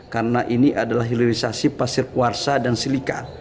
karena ini adalah hilirisasi pasir kuarsa dan silika